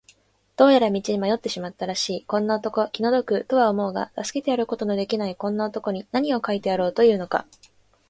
どうやら道に迷ってしまったらしいこんな男、気の毒とは思うが助けてやることのできないこんな男に、なにを書いてやろうというのか。